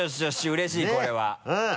うれしいこれは。ねぇ。